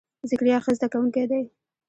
ذکریا ښه زده کونکی دی.